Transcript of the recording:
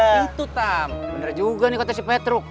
itu tam bener juga nih kata si petruk